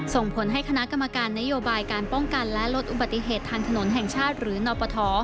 ส่งผลให้คณะกรรมการนโยบายการป้องกันและลดอุบัติเหตุทางถนนแห่งชาติหรือนปท